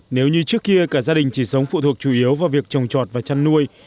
nếu như trước kia cả gia đình chỉ sống phụ thuộc chủ yếu vào việc trồng trọt và chăn nuôi